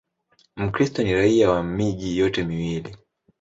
Mkristo ni raia wa miji yote miwili.